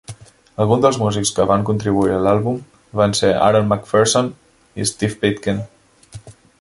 Alguns dels músics que van contribuir a l'àlbum van ser Aaron MacPherson i Steve Pitkin.